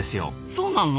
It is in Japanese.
そうなの？